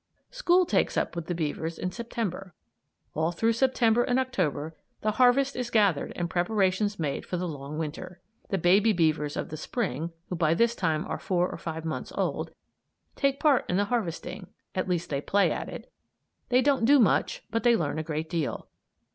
School takes up with the beavers in September. All through September and October the harvest is gathered and preparations made for the long Winter. The baby beavers of the Spring, who by this time are four or five months old, take part in the harvesting; at least they play at it. They don't do much, but they learn a great deal.